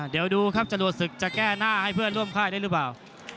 เดี๋ยวดูครับจรวดศึกจะแก้หน้าให้เพื่อนร่วมค่ายได้หรือเปล่า